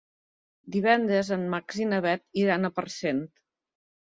Divendres en Max i na Bet iran a Parcent.